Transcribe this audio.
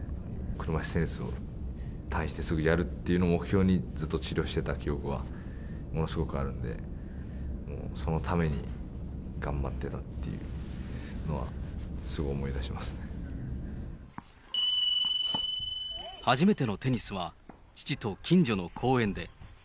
車いすテニスを退院してすぐやるっていうのを目標に、ずっと治療してた記憶はものすごくあるので、そのために頑張ってたっていうのは、初めてのテニスは、父と近所の公園で。